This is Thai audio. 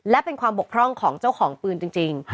และเป็นความบกพร่องของเจ้าของปืนจริง